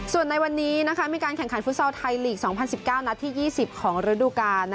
ส่วนในวันนี้มีการแข่งขันฟุตซอลไทยลีก๒๐๑๙นัดที่๒๐ของฤดูกาล